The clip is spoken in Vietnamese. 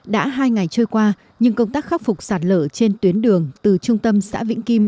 đã hai ngày trôi qua nhưng công tác khắc phục sạt lở trên tuyến đường từ trung tâm xã vĩnh kim